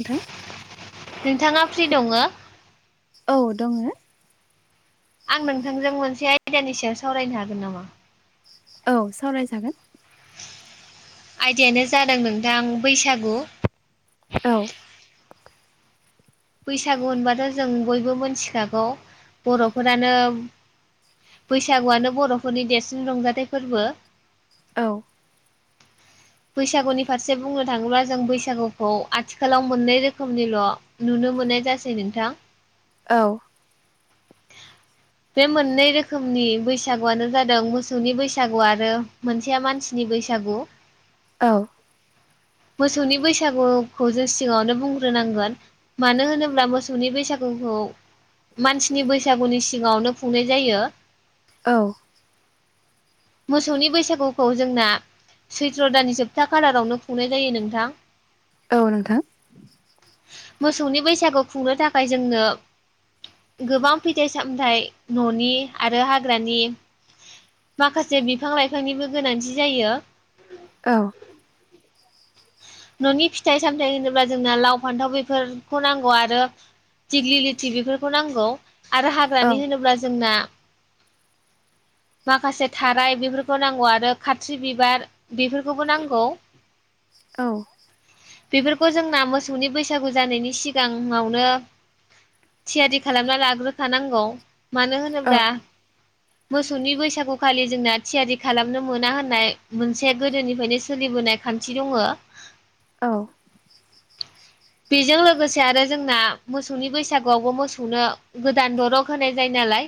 नोंथां नोंथाङा फ्रि दङ? औ दङो आं नोंथांजों मोनसे आयदानि सायाव सावरायनो हागोन नामा? औ सावरायजागोन। आयदायानो जादों नोंथां बैसागु। औ। बैसागु होनबाथ' जों बयबो मोनथिखागौ बर'फोरानो बैसागुआनो बर'फोरनि देरसिन रंजाथाइ फोरबो। औ। बैसागुनि फारसे बुंनो थाङोब्ला जों बैसागुखौ आथिखालाव मोननै रोखोमनिल' नुनो मोननाय जासै नोंथां। औ। बे मोननै रोखोमनि बैसागुआनो जादों मोसौनि बैसागु आरो मोनसेया मानसिनि बैसागु। औ। मोसौनि बैसागुखौ जों सिगाङावनो बुंग्रोनांगोन मानो होनोब्ला मोसौनि बैसागुखौ मानसि सिनि बैसागुनि सिगाङावनो खुंनाय जायो। औ। मोसौनि बैसागुखौ जोंना सैथ्र' दाननि जोबथा खालारावनो खुंनाय जायो नोंथां ‌। औ नोंथां। मोसौनि बैसागु खुंनो थाखाय जोंनो गोबां फैथाय सामथाय न'नि आरो हाग्रानि माखासे बिफां लाइफांनिबो गोनांथि जायो। औ। न'नि फिथाइ सामथाय होनोब्ला जोंना लाव फान्थाव बेफोरखौ नांगौ आरो दिग्लि लिथि बेफोरखौ नांगौ। आरो औ हाग्रानि होनोब्ला जोंना माखासे थाराय बेफोरखौ नांगौ आरो खाथ्रि बिबार बेफोरखौबो नांगौ औ बेफोरखौ जोंना मोसौनि बैसाग सागु जानायनि सिगाङावनो थियारि खालामना लाग्रोखानांगौ मानो औ होनोब्ला मोसौनि बैसागु खालि जोंना थियारि खालामनो मोना होननाय मोनसे गोदोनिफ्रायनो सोलिबोनाय खान्थि दंओ। औ बेजों लोगोसे आरो जोंना मोसौनि बैसागुआवबो मोसौनो गोदान दरग होनाय जायो नालाय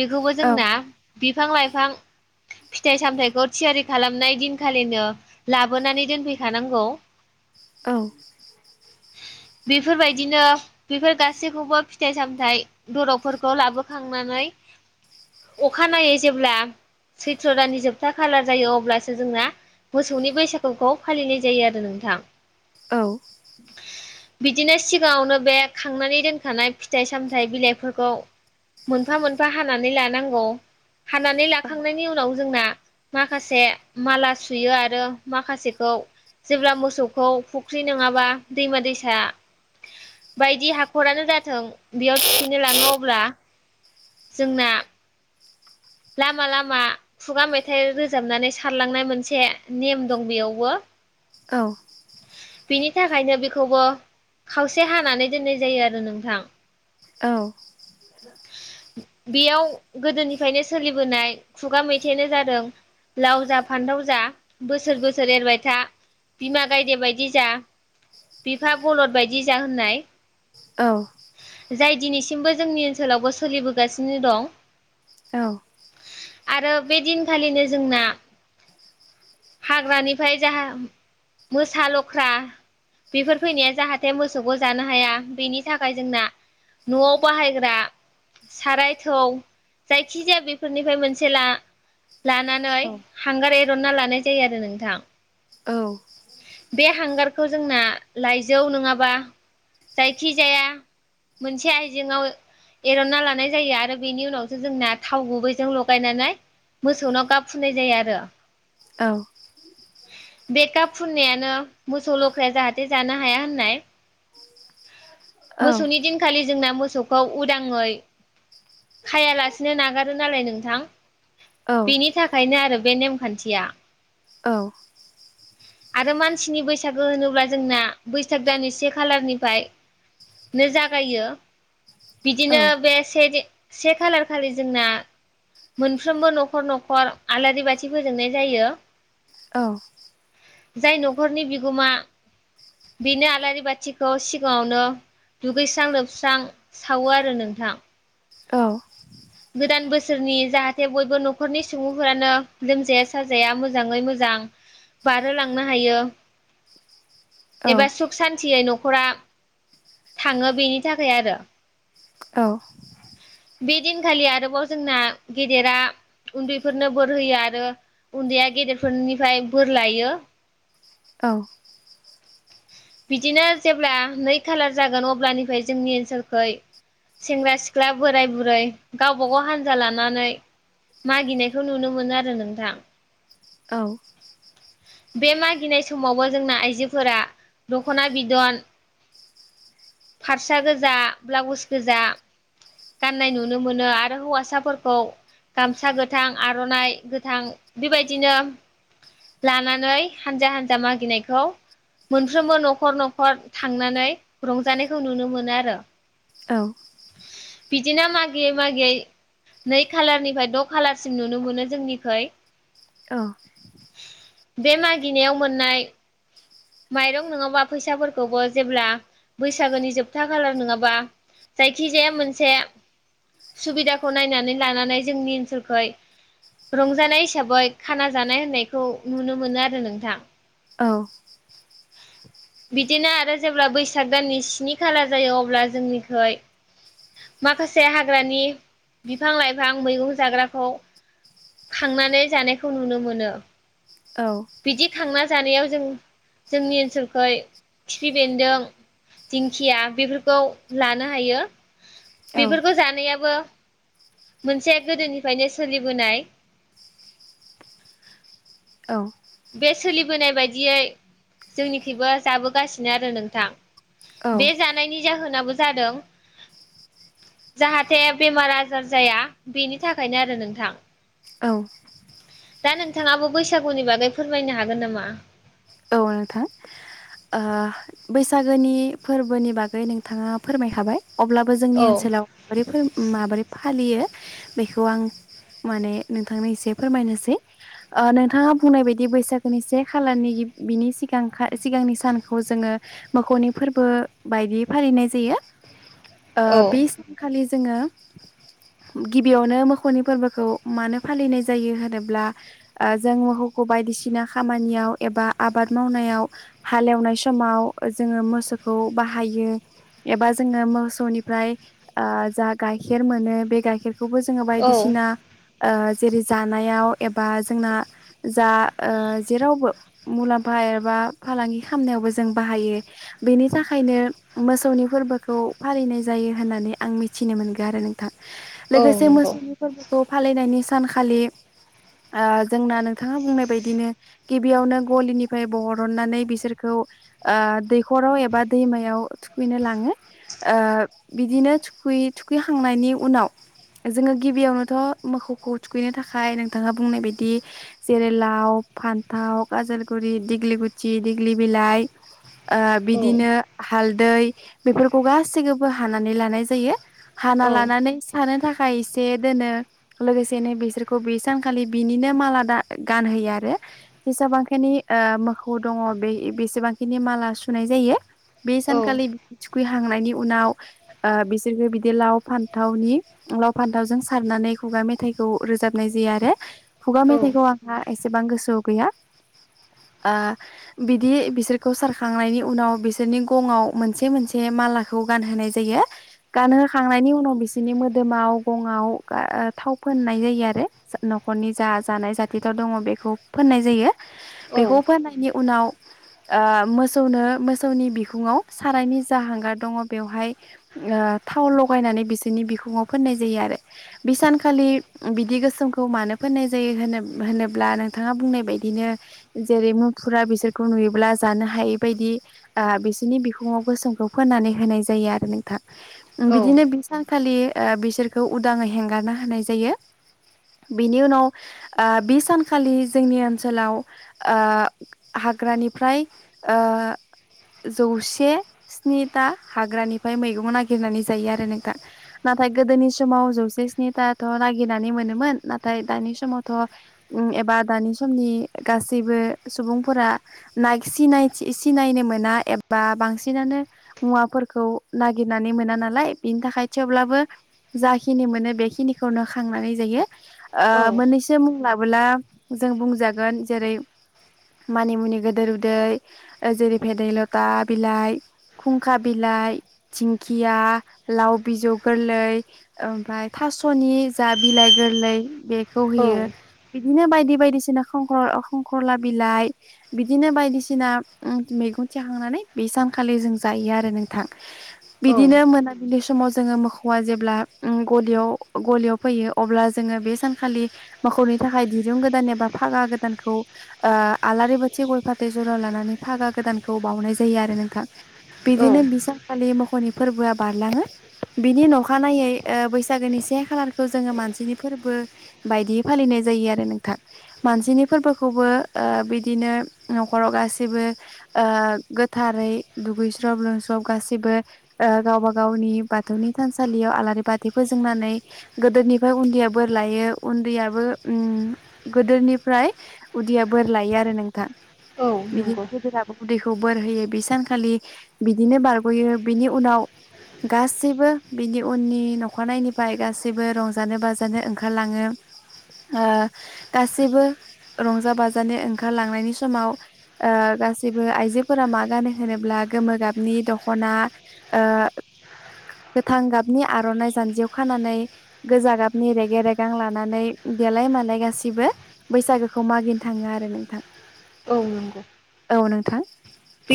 बेखौबो औ जोंना बिफां लाइफां फिथाइ सामथायखौ थियारि खालामनाय दिनखालिनो लाबोनानै दोनफैखानांगौ। औ। बेफोरबायदिनो बेफोर गासैखौबो फिथाइ सामथाय दरबफोरखौ लाबोखांनानै अखानायै जेब्ला सैथ्र' दाननि जोबथा खालार जायो अब्लासो जोंना मोसौनि बैसाग खौ फालिनाय जायो आरो नोंथां। औ। बिदिनो सिगाङावनो बे खांनानै दोखानाय फिथाइ सामथायाइ बिलाइफोरखौ मोनफा मोनफा हानानै लानांगौ हानानै औ लाखांनायनि उनाव जोंना माखासे माला सुयो आरो माखासेखौ जेब्ला मोसौखौ फुख्रि नङाबा दैमा दैसा बायदि हाखरानो जाथों बेयाव थुखैनो लाङो अब्ला जोंना लामा लामा खुगा मेथाइ रोजाबनानै सारलांनाय मोनसे नेम दं बेयावबो। औ। बिनि थाखायनो बेखौबो खावसे हानानै दोननाय जायो आरो नोंथां। औ। बेयाव गोदोनिफ्रायनो सो सोलिबोनाय खुगा मेथाइानो जादों लाव जा फान्थाव जा बोसोर बोसोर एरबाय था बिमा गायदे बायदि जा बिफा बलद बायदि जा होननाय औ। जाय दिनैसिमबो जोंनि ओनसोलावबो सोलिबोगासिनो दं। औ। आरो बे दिनखालिनो जोंना हाग्रानिफ्राय जा मोसा लख्रा बेफोर फैनाया जाहाथे मोसौखौ जानो हाया बेनि थाखाय जोंना न'आव बाहायग्रा साराय थौ जाय खिजाया बेफोरनिफ्राय मोनसे ला लानानै हांगार सोना लानाय जायो आरो नोंथां। बे हांगार खौ जोंना लाइजौ नङाबा जायखि जाया मोनसे आइजेंआव एरना लानाय जायो आरो बेनि उनावसो जोंना थाव गुबैजों लगायनानै मोसौनाव गाब फुनाय जायो आरो। औ। बे काप फुननायानो मोसौ लख्राया जाहाथे जानो हाया होननाय। मोसौनि दिनखालि जोंना मो मोसौखौ उदाङै खायालासेनो नागारो नालाय नोंथां। बिनि थाखायनो आरो। बे नेमखान्थिया। औ। आरो मानसिनि बैसागो होनोब्ला जोंना बैसाग दानि से खालारनि। निफायनो जागायो। बिदिनो बे से। से खालार खालि जोंना मोनफ्रोमबो न'खर न'खर आलारि बाथि फोजोंनाय जायो। औ। जाय न'खरनि बिगोमा बेनो आलारि बाथि। खौ सिगाङावनो दुगैस्रां लोबस्रां सावो आरो नोंथां। गोदान बोसोरनि जाहाथे बयबो न'खरनि सुबुंफोरानो लोमजाया साजाया मोजाङै मोजां बारहोलांनो हायो। एबा सुख सान्थियै न'। न'खरा थाङो बेनि थाखाय आरो। औ। बे दिनखालि आरोबाव जोंना गेदेरा उन्दैफोरनो बोर होयो आरो उन्दैया गेदेरफोरनिफ्राय बोर लायो। औ। बिदिनो जेब्ला नै खालार जागोन अब्लानिफ्राय बिदिनो जेब्लानिफ्राय नै खालार जागोन अब्लानिफ्राय जोंनि ओनसोलखै सेंग्रा सिख्ला बोराय बुरै गावबाागाव हानजा लानानै मागिनायखौ नुनो मोनो आरो नोंथां। औ। बे मागिनाय समावबो जोंना आइजोफोरा दख'ना बिदन फास्रा गोजा ब्लाउस गोजा गाननाय नुनो मोनो आरो हौवासाफोरखौ गामसा गोथां आर'नाइ गोथां बेबायदिनो। लानानै हानजा हानजा मागिनायखौ मोनफ्रोमबो न'खर न'खर थांनानै रंजानायखौ नुनो मोनो आरो औ बिदिना मागियै मागियै नै खालारनिफ्राय द खालारसिम नुनो मोनो जोंनिखै औ बे मागिनायाव मोननाय माइरं नङाबा फैसाफोरखौबो जेब्ला बैसागोनि जोबथा खालार नङाबा जायखिजाया मोनसे सुबिदाखौ नायनानै लानानै जोंनि ओनसोलखै रंजानाय हिसाबै खाना जानाय होननायखौ नुनो मोनो आरो नोंथां औ बिदिनो आरो जेब्ला बैसाग दाननि स्नि खालार जायो अब्ला जोंनिखै माखासे हाग्रानि बिफां लाइफां मैगं जाग्राखौ खांनानै जानायखौ नुनो मोनो बिदि खांना जानायाव जों जोंनि ओनसोलखै खिफि बेन्दों दिंखिया बेफोरखौ लानो हायो बेफोरखौ जानायाबो मोनसे गोदोनिफ्रायनो सोलिबोनाय बे सोलिबोनाय बायदियै जोंनिखैबो जाबोगासिनो आरो नोंथां बे जानायनि जाहोनाबो जादों जाहाथे बेमार आजार जाया बेनि थाखायनो आरो नोंथां औ दा नोंथाङाबो बैसागुनि बागै फोरमायनो हागोन नामा औ नोंथां ओ बैसागोनि फोरबोनि बागै नोंथाङा फोरमायखाबाय अब्लाबो जोंनि औ ओनसोलाव माबोरैफोर माबोरै फा फालियो बेखौ आं माने नोंथांनो एसे फोरमायनोसै ओ नोंथाङा बुंनाय बायदि बैसागोनि से खालारनि गिब बिनि सिगांखा सिगांनि सानखौ जोङो मोखौनि फोरबो बायदि फालिनाय जायो ओ औ बि सान खालि जोङो गिबियावनो मोसौनि फोरबोखौ मानो फालिनाय जायो होनोब्ला ओ जों मोसौखौ बायदिसिना खामानियाव एबा आबाद मावनायाव हालेवनाय समाव जोङो मोसौखौ बाहायो एबा जोङो मोसौनिफ्राय ओ जा गाइखेर मोनो बे गाइखेर बेखौबो जोङो औ बायदिसिना ओ जेरै जानायाव एबा जोंना जा ओ जेरावबो मुलाम्फा एबा फालांगि खालामनायावबो जों बाहायो बेनि थाखायनो मोसौनि फोरबोखौ फालिनाय जायो होननानै आं मिथिनो मोनगोन आरो नोंथां औ लोगोसे नंगौ मोसौनि फोरबो खौ फालिनायनि सानखालि ओ जोंना नोंथाङा बुंनाय बदिनो गिबियावनो गलिनिफ्राय बहरननानै बिसोरखौ ओ दैखराव एबा दैमायाव थुखैनो लाङो ओ बिदिनो थुखै थुखैखांनायनि उनाव जोङो गिबियावनोथ मोसौखौ थुखैनो थाखाय नोंथाङा बुंनाय बदि जेरै लाव फान्थाव काजालगुरि दिग्लिगुथि दिग्लि बिलाइ ओ औ बिदिनो हा हालदै बेफोरखौ गासैखौबो हानानै लानाय जायो हाना औ लानानै सानो थाखा खायसे दोनो लोगोसेनो बिसोरखौ बे सानखालि बिनिनो माला दा गानहोयो आरो जेसेबांखिनि ओ मोसौ दङी बे बेसेबांखिनि माला सुनाय जायो बे औ सानखााललि थुखै हा थांनायनि उनाव ओ बिसोरखौ बिदि लाव फान्थावनि लाव फान्थावजों सारनानै खुगा मेथाइखौ रोजाबनाय जायो आरो खुगा मेथाइ खौ आंहा एसेबां गोसोआव गैया। ओ बिदि बिसोरखौ सारखांनायनि उनाव बिसोरनि गङाव मोनसे मोनसे मालाखौ गानहोनाय जायो गानहोखांनायनि उनाव बिसोरनि मोदोमाव गङाव थाव फोननाय जायो आरो नखरनि जा जानाय जाथि थाव दङ बेखौ फोननाय जायो। औ बेखौ फोनायनि उनाव ओह मोसौनो मोसौनि बिखुङाव सारायनि जा हांगार दङ बेवहाय थाव लगायनानै बिसोरनि बिखुङाव फोननाय जायो आरो बि सानखालि बिदि गोसोमखौ मानो फोननाय जायो होन- होनोब्ला नोंथाङा बुंनाय बायदि बिदिनो जेरै मुफुरा बिसोरखौ नुयोब्ला जानो हायै बायदि बिसोरनि बिखुङाव गोसोमखौ फोननानै होनाय जायो आरो नोंथां। बिदिनो बिसां खालि ओ बिसोरखौ उदाङै हेंगारना होनाय जायो बिनि उनाव बे सानखालि जोंनि ओनसोलाव ओ हाग्रानिफ्राय ओ जौसे स्निथा हाग्रानिफ्राय मैगं नागिरनानै जायो आरो नोंथां नाथाय गोदोनि समाव जौसे स्निथाथ नागिरनानै मोनोमोन नाथाय दानि समावथ एबा दानि समनि गासैबो सुबुंफोरा नायग सिनायथि सिनायनो मोना एबा बांसिनानो मुवाफोरखौ नागिरनानै मोना नालाय बिनि थाखाय थेवब्लाबो जाखिनि मोनो बेखिनिखौनो खांनानै जायो। औ ओह मोननैसो मुंलाब बुलाब जों बुंजागोन जेरै मानिमुनि गोदेर उदै जेरै भेदै लथा बिलाइ खुंखा बिलाइ थिंखिया लाव बिजौ गोरलै ओमफ्राय थासनि जा बिलाइ गोरलै बेख खौ होयो बिदिनो बायद बे बायदि बायदिसिना खंखर खंख्रला बिलाइ बिदिनो बायदिसिना मैगं थिखांनानै बे सानखालि जों जायो आरो नोंथां। बिदिनो मोनाबिलि समाव जोङो मोखौआ जेब्ला गलियाव गलियाव फैयो अब्ला जोङो बे सानखालि मोखौनि थाखाय दिरुं गोदान एबा फागा गोदानखौ आलारि बाथि गय फाथै जरा लानानै फागा गोदानखौ बाउनाय जायो आरो नोंथां औ बिदिनो बिसानखालि मोखौनि फोरबोआ बारलाङो बिनि नखानायै बैसागोनि से खालारखौ जोङो मानसिनि फोरबो बायदियै फालिनाय जायो आरो नोंथां। मानसिनि फोरबोखौबो ओ बिदिनो नख'राव गासैबो ओ गोथारै दुगैस्रब लोंस्रब गाैबो गावबा गावनि बाथौनि थानसालियाव आलारि बाथि फोजोंनानै गोदोनिफ्राय उन्दैया बोर लायो उन्दैयाबो उम गोदोनि फ्राय उदिया बोर लायो आरो नोंथां। औ बिदि नंगौ गेदेराबो उदैख खौ बोर होयो बि सानखालि बिदिनो बारगयो बिनि उनाव गासैबो बिनि उननि नखानायैनिफ्राय गासैबो रंजानो बाजानो ओंखारलाङो ओ गासैबो रंजा बाजानो ओंखारलांनायनि समाव ओ गासैबो आइजोफोरा मा गानो होनोब्ला गोमो गाबनि दख'ना ओ गोथां गाबनि आरनाइ जानजियाव खानानै गोजा गाबनि रेगे रेगां लानानै देलाय मालाय गासिबो बैसागोखौ मागिनो थाङो आरो नोंथां। औ नंगौ। औ नोंथां।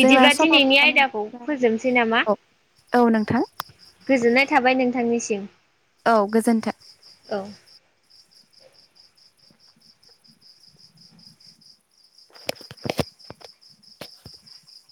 जोंना समाबो दिनैनि जानानै आयदाखौ फैबाय फोजोबनोसै नामा? औ औ नोंथां। गोजोननाय थाबाय [unintelligible] औ गोजोन्थों। औ। [inaudible]